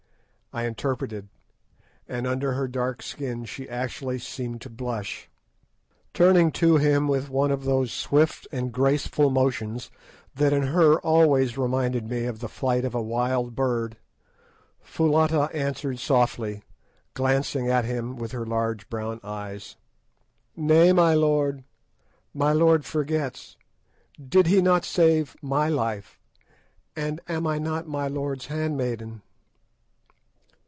I interpreted, and under her dark skin she actually seemed to blush. Turning to him with one of those swift and graceful motions that in her always reminded me of the flight of a wild bird, Foulata answered softly, glancing at him with her large brown eyes— "Nay, my lord; my lord forgets! Did he not save my life, and am I not my lord's handmaiden?"